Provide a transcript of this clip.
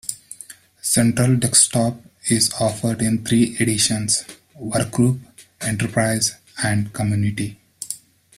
Central Desktop is offered in three editions - Workgroup, Enterprise and Community.